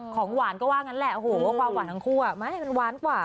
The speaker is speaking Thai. ของหวานก็ว่ากันแรกฮูใครว้างหวานทั้งคู่อ่ะมันหวานกว่า